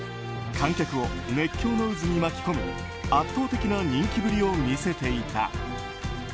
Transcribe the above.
観客を熱狂の渦に巻き込む圧倒的な人気ぶりを見せていた。